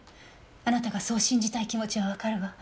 あなたがそう信じたい気持ちはわかるわ。